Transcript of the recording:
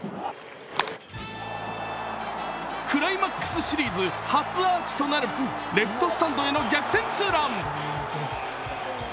クライマックスシリーズ初アーチとなるレフトスタンドへの逆転ツーラン。